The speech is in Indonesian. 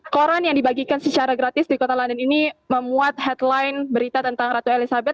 koran yang dibagikan secara gratis di kota london ini memuat headline berita tentang ratu elizabeth